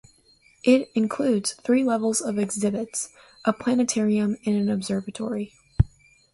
It includes three levels of exhibits, a planetarium, and an observatory.